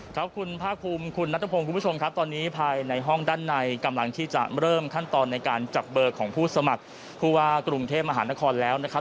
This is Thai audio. ครับคุณภาคภูมิคุณนัทพงศ์คุณผู้ชมครับตอนนี้ภายในห้องด้านในกำลังที่จะเริ่มขั้นตอนในการจับเบอร์ของผู้สมัครผู้ว่ากรุงเทพมหานครแล้วนะครับ